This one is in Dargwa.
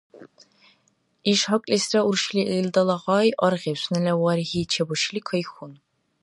Иш гьакӀлисра уршили илдала гъай аргъиб, сунела варгьи чебушили, кайхьун.